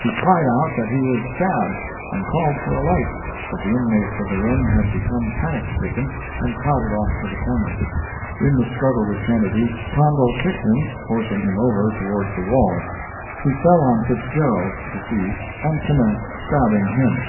He cried out that he was stabbed, and called for a light, but the inmates of the room had become panic stricken and crowded off to the corners. In the struggle with Kennedy, Condol kicked him, forcing him over towards the wall. He fell on Fitzgerald (deceased) and commenced stabbing him.